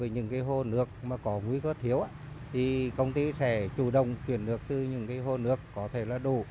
nếu có nguy cơ thiếu công ty sẽ chủ động chuyển nước từ những hồ nước có thể là đủ